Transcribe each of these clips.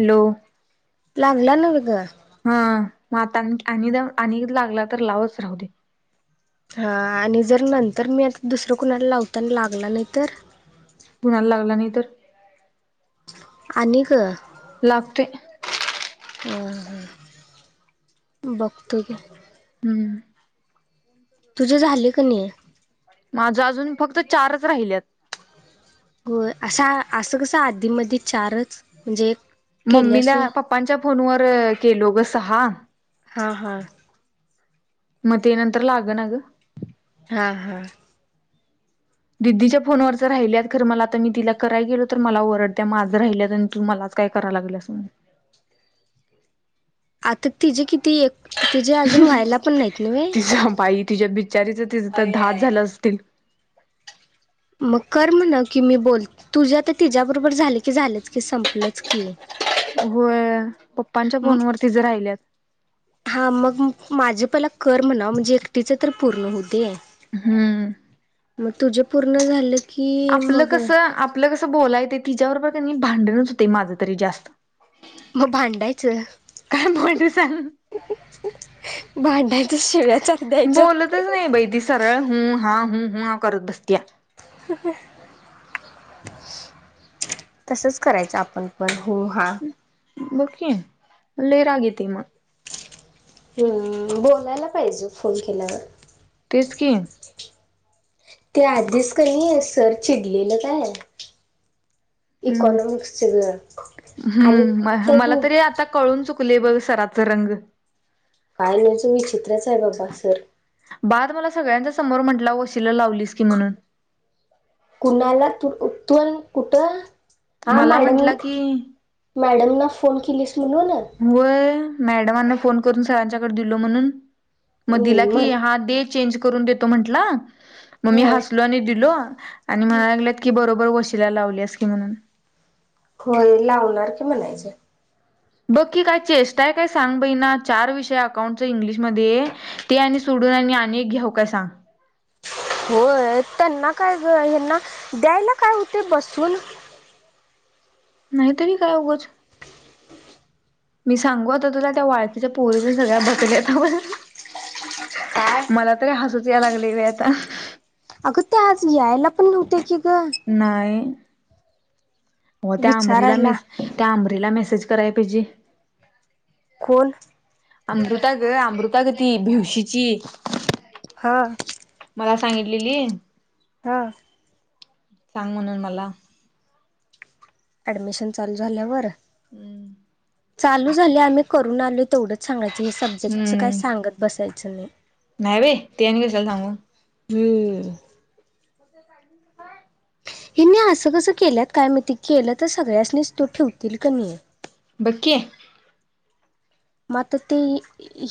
Hello! लागला ना वग. हा म आता आणिदा आणि लागला तर लावच राहू दे. हा आणि जर नंतर मी आता दुसरं कुणाला लावताना लागला नाही तर? कोणाला लागला नाही तर? आणिक लागतोय. आ ह बघतो. हम्म तुझे झाले क नाही? माझं अजून फक्त चारच राहिलेत. होय असा असं कसं आधीमध्ये चारच म्हणजे? केल्यास मम्मीला होय पप्पांच्या फोनवर केलो ग सहा हां हां मग ते नंतर लाग ना गं. हा हा दिदीच्या फोनवरच राहिलेत खर मला आता मी तिला कराय गेलो तर मला वरड त्या माझं राहिल आणि तू मला काय कराय लागेल अस. आता ति जे कित ती एक तिजे अजून व्हायला पण नाहीत नव्हे तिच्या बाई त मग कर म्हणा की मी बोल तुझ्या आता तिच्या बरोबर झाले की झालेच की संपलंच की. होय पप्पांच्या फोनवर तिजे राहिल्यात. हा मग माझे पहिला कर म्हणाव म्हणजे एक तीच तर पूर्ण होऊदे. हम्म मग तुझे पूर्ण झालेत. आपलं कसं आपलं कसं बोलायेत तिच्या बरोबर भांडणच होते माझं तरी जास्त. मग भांडायचं काय बोलू सांग भांडायच. बोलतच नाही बई ती सरळ हुं हा हुं ह हा करत बसतया. तसच करायचं आपण पण. होहा बघ की लय राग येते मग. हम्म, बोलायला पाहिजे फोन केल्यावर. तेच कि. ते आधीच क नाई सर चिडलेलं काय. हम् इकॉनॉमिक्सच ग आणि त्या हम्म, मला दु तरी आता कळून चुक कुले बघरी सराच रंग. काय नाही विचित्रच आहे बाबा सर. बाद, मला सगळ्यांच्या समोर म्हंटला वशीला लावलीस की म्हणून. कुणाला तूण कुठं हा मला मॅडम म्हंटला की मॅडम ना फोन किलीस होय, मॅडमांना फोन करून सरांच्याकडे दिलो म्हणून म दिला हम्म म्हण की हा डे चेंज करून देतो म्हटला. म मी नाही हसलो आणि दिलो आणि म्हणायं लागलेत की, बरो बर वशीला लावल्यास की म्हणून. होय लावणार की म्हणायचं. बघ की काय चेष्टा हाय काय सांग बई ना चार विषय अकाउंटचं इंग्लिशमध्ये ते आणि सोड न आणि एक घेऊ का सांग? [unintelligible] होय, त्यांना काय गं ह्यांना द्यायला काय हुतंय बसवून. नाहीतरी काय उगच. मी सांगू आता तुला त्या वाळकीच्या पोरीनं सगळ्या बसल्या काय? मला तरी हसूच या लागलयं बया आता. अगं ते आज यायला पण नव्हते की ग नाही. हो त्या आंबरीला विचारायला मेस, त्या आंबरीला मेसेज कराय पाहिजे. कोण? अमृता ग, अमृता ग ती भिवशीची. हा. काय सांगितलेली? हा. सांग म्हणून मला. ऍडमिशन चालू झाल्यावर. हम्म. चालू झाल्या आम्ही करून आलो, तेवढंच सांगायचं हे सब्जेक्टच काय सांगत बसायचं नाही. नाही बाई ते आणि कशाला सांगू. हम्. हिने असं कसं केल्यात काय महिती, केलं तर सगळ्यासनीच तू ठेवतील क नाही. ब क्की. म आता ते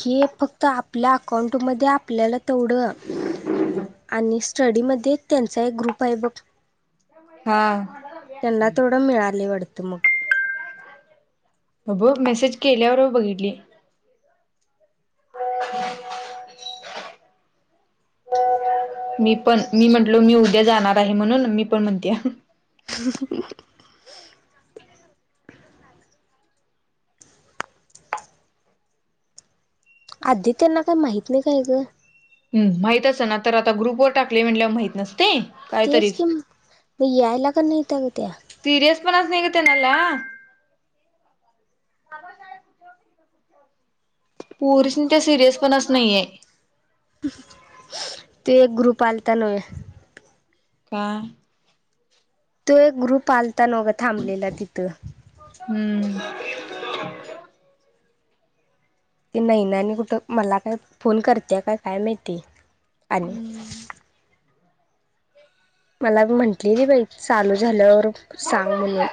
हे फक्त आपल्या अकाउंटमध्ये, आपल्याला तेवढं आणि स्टडी मध्ये त्यांचा एक ग्रुप आहे बघ. हा. एढ मिळाले वाटतं मग बा बू मेसेज केल्यावर बघितली. [inaudible] मी पण, मी म्हंटलो मी उद्या जाणार आहे म्हणून, मी पण म्हणत्या. [inaudible] आधी त्यांना काय माहत नाही काय ग? हम् माहित असं ना तर आता ग्रुपवर टाकले म्हणल्यावर माहित नसतंय. तेच कि मग यायला का नाही त्या ग त्या. [inaudible] पोरीसनी त्या सिरियस पणा चं नाहीये ते एक ग्रुप आलता नव्हे. का? तो एक ग्रुप आलता नव्हं ग. थांबलेला तिथं- येवून ती नाही ना आणि कुठं मला काय फोन करते. काय काय माहिती? आणि हं! मला म्हंटलेली बाई चालू झाल्यावर सांग म्हणून,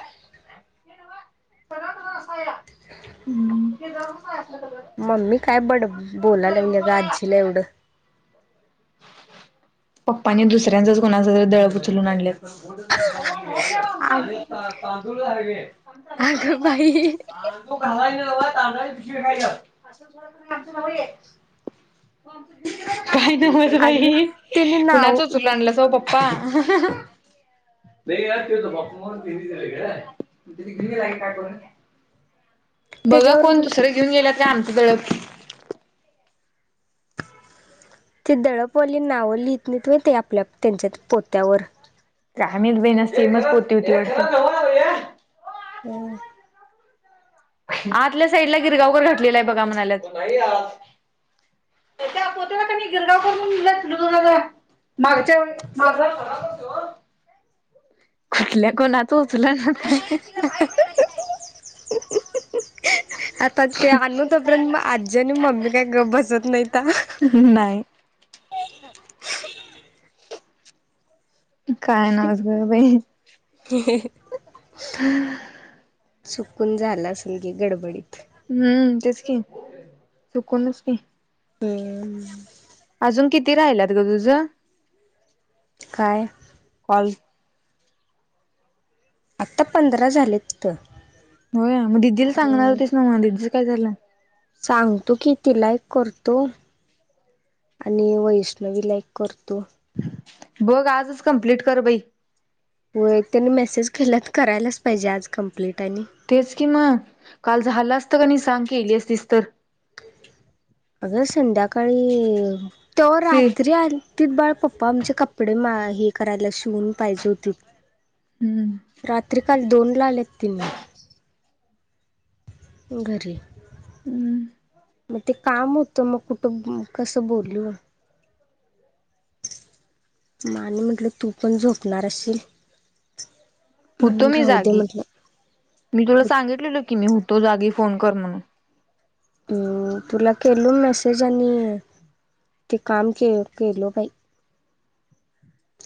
- खरखर ठबक कसाय मम्मी काय बड बोलायला लावल गं हम्म. आजीला एवढं! पप्पाने दुसऱ्यांचाच कोणाच दळप उचलून आणलं. तांदूळ अग ला अगं बाई तांदू खलाय नव्हे. अस आमच जवळ ये. काही ना म बाई अगं तिने नाव कुणाचच उचलुन आणलाच पप्पा! पाहहह्. नाही तब त ती घेलाे काय करून? बघा त्याच्यावर कोण दुसरे घेऊन गेला ते आमचं दळप. टप. ते दळपवाली नावं लिहित नाही त ते आपल्य त्यांच्या पोत्यावर. काय माहीत बाई सेमच पोती होती वाटत. हं! आतल्या साईडला गिरगावकर घटलेला आहे. बघा म्हणाल्यात. त्या पोत्याला कणी गिरगाव करून लिहले आहे. दळप तस मागच्या कुठल्या कोणात उचलून आणल. काय बाई! हिंहंह. आता ते आणू तोपर्यंत आजी आणि मम्मी काय बसत नाहीता आ! काय? काय ना आज ग बाई! हिहीहि. हं. चुकून झाला असेल की गडबडीत! हं तेच की चकूनच [inaudible] हं! अजून किती राहिल्यात ग तुझं? काय? कॉल आता पंधरा झालेत तर होय मग दिदीला सांगणार होतीस ना मग दिदीचं काय झालं? सांगतो कि तिला एक करतो. आणि वैष्णवीला एक करतो. बघ आजच कंप्लीट कर बाई. हो त्यांनी मेसेज केला तर करायलाच पाहिजे आज कंप्लीट. आणि तेच कि मग काल झालं असतं का नाही सांग की केली असतीस तर टुकटुक. अगं संध्याकाळी तेव्हा सी रात्री आलतीत बाळ पप्पा आमचे कपडे माअ. करायला शिवून पाहिजे होती. हम्म काल दोनला आलेत त्यानी घरी. हं! मग ते काम होतं मग कुठं कसं बोलू. माने म्हटलं तू पण झोपणार असशील. होतो म्हणून मी राहू दे जागी म्हटलं मी तुला सांगितलेलो की मी होत. तो जागी फोन कर म्हणून हम् तुला केल मेसेज आणि ते काम के केलो बाई.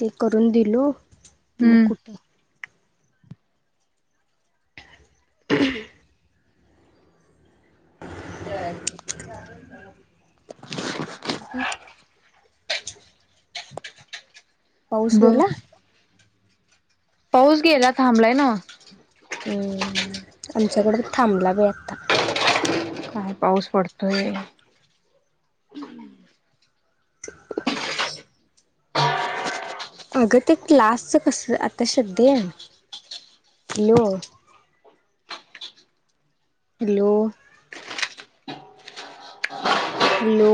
ते करून दिलो मग हम्म कुठे? [unintelligible] जयजून. ह. [inaudible] पाऊस ब गेला. पाऊस गेला थांबलाय नव्ह. हम् आमच्याकडे बि थांबला बी आता काय पाऊस पडतोय [unintelligible] अगं ते क्लासच कस आता शध्या आहे हॅलो हॅलो हॅलो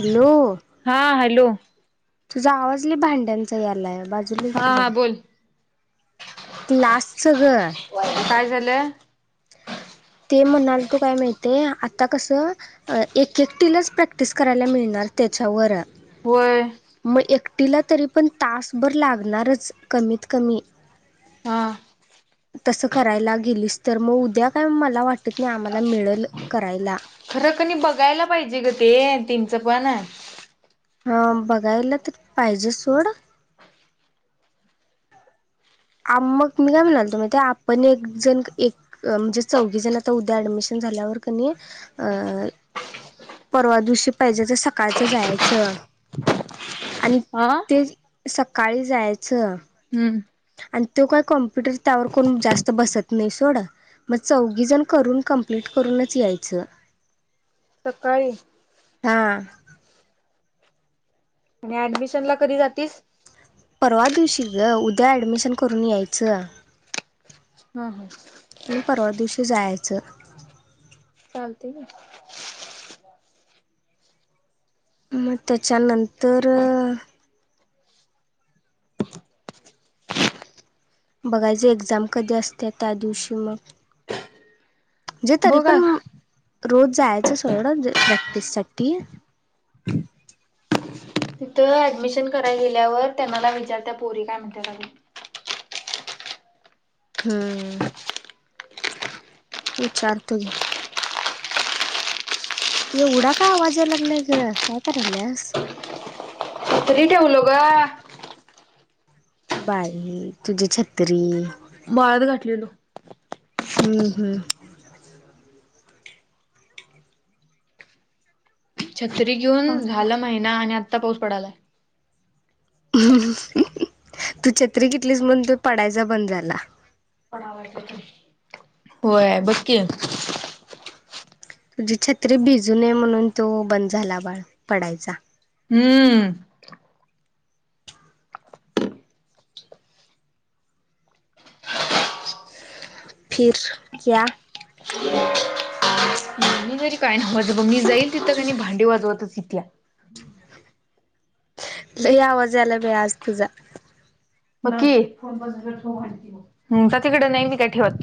हॅलो हा हॅलो तुझा आवाज ल भांड्यांचा यालाय बाजूला ए की हा हा जरा बोल लास् काय झालंय ह ते म्हणाला तू काय माहय आता कसं एक एकटीलाच प्रॅक्टिस करायला मिळणार अारते च वरा होय सुटीला तरी पण तासभर लागणारच कमीत कमी हा तसं करायला गेलीस तर मग उद्या काय मला वाटत नाही आम्हाला मिळेल करायला खरं कणी बघायला पाहिजे ग ते तेच पण हा बघायला तर पाहिजे सोड मग मी काय म्हणाल तो माहित आहे. आपण एक जण एक म्हणजे चौघे जण आता उद्या ऍडमिशन झाल्यावर कनई परवा दिवशी पाहिजे तर सकाळचं जायचं आणि ते सकाळी जायचं हम्म आणि तो काय कॉम्प्युटर त्यावर कोण जास्त बसत नाही सोड मग चौघी जण करून कंप्लीट करूनच यायचं सकाळी हा आणि ऍडमिशन ला कधी जातीस परवा दिवशीील ग उद्या ऍडमिशन करून यायचं हम् हम परवा दिवशी जायचं चालते का मग त्याच्यानंतर बघायच एक्झाम कधी असते त्या दिवशी मग जेेतरी पण बघा रोज जायचं सगडं प्रॅक्टिस साठी तिथं ऍडमिशन करायला गेल्यावर त्यां मला विचारत पोरी काय म्हणताय बघा हम्म विचारते ग एवढा का वाजायला लागलाय ग काय करायलास भाकरी ठेवल्या ग बाई तुझी छत्री बाळात घातलेलो हम्म हम्म छत्री घेऊन हम्म झालं महिना आणि आत्ता पाऊस पडालाय तू छत्री घेतलीस म्हणून तो पडायचा बंद झाला होय बघकी तुझी छत्री भिजूूनये म्हणून तो बंद झाला बाळ पडायचा हम्म फिर क्या [unintelligible] [unintelligible] मी जाईल तिथेच का नाय भांडे वाजवतच येत्या लय आवाज याला बय आज तुझा बघकी हम्म जा तिकडे नाही मी काय ठेवत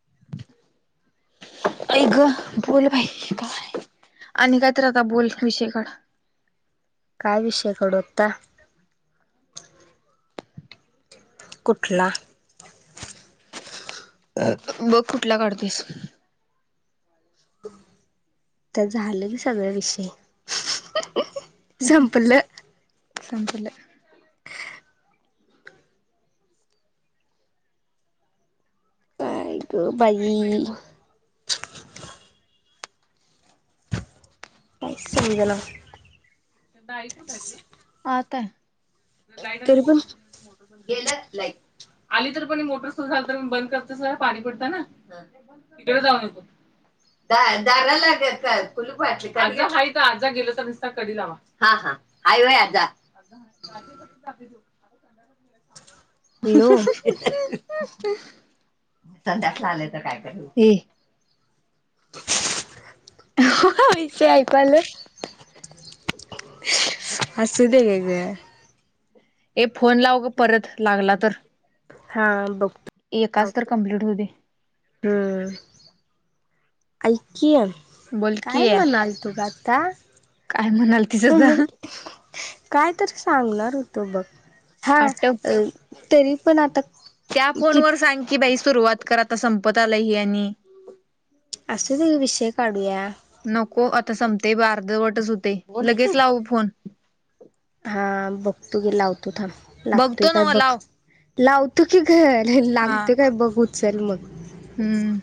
[inaudible] आई ग बोल बाई काय आणि काही तरा का बोल विषयकाढ [unintelligible] काय विषयकाडु आत्ता कुठला अ बघ कुठला काढतेस तर झालं की सगळ विषय संपलं संपलं थँक्यू बाई पैसे निघाला [unintelligible] [unintelligible] आई कुठे आता आहे लाईट आली तरी पण मोटर [unintelligible] [unintelligible] [inaudible] [inaudible] गेलं लाईट आली तर पण मोटर सुरू झाला तर म बंद करत पाणी पडता ना इकडे जाऊन येतो दा दारा लाग कुलूपटा आजा गेलो तर नसता कढी [unintelligible] [unintelligible] लावा हा हा आय होय जा [inaudible] [inaudible] हॅलो संडासला [unintelligible] आलेय तर काय करील ती ओह् शी ऐकले [unintelligible] असुदे ग ए फोन लावग परत लागला तर हा एकाच तर बघतो कम्प्लीट होऊ दे हम्म ऐक बोल काय की म्हणाल तुग आता काय म्हणाल तिचं अम तर काय तरी सांगणार होतो बघ हा आटप तरी पण आता त्या फोन कि वर सांग की बाई सुरुवात कर आता संपत आलाय हे आणि असुदे विषय काढूया नको आता संपते बघ अर्धवटच होते लगेच लावू फोन हा बघतो गी लावतो थांब लागतोय बघतो काय नव्ह बघ लाव. लावतो की घ नाही हा लागते काय बघ उचाल मग हम्म